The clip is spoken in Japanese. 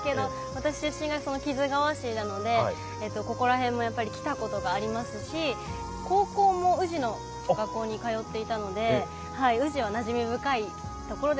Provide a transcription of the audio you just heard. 私出身が木津川市なのでここら辺もやっぱり来たことがありますし高校も宇治の学校に通っていたので宇治はなじみ深いところではありますね。